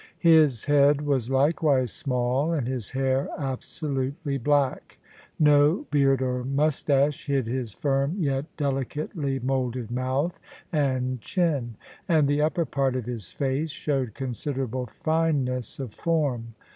His head was likewise small, and his hair absolutely black. No beard or moustache hid his firm yet delicately moulded mouth and chin: and the upper part of his face showed considerable fineness of form.